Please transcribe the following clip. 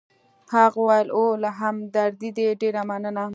هغه وویل: اوه، له همدردۍ دي ډېره مننه.